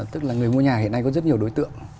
tức là người mua nhà hiện nay có rất nhiều đối tượng